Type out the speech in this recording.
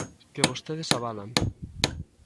Que vostedes avalan.